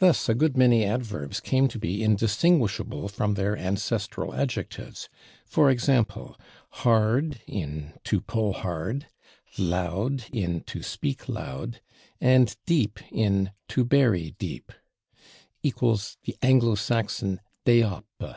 Thus a good many adverbs came to be indistinguishable from their ancestral adjectives, for example, /hard/ in to /pull hard/, /loud/ in /to speak loud/, and /deep/ in /to bury deep/ (=Anglo Saxon, /dĕop e